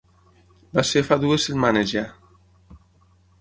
Va ser fa dues setmanes ja.